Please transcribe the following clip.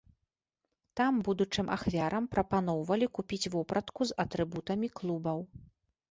Там будучым ахвярам прапаноўвалі купіць вопратку з атрыбутамі клубаў.